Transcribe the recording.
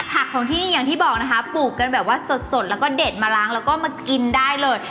ของที่นี่อย่างที่บอกนะคะปลูกกันแบบว่าสดแล้วก็เด็ดมาล้างแล้วก็มากินได้เลย